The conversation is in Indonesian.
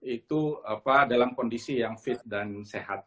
itu dalam kondisi yang fit dan sehat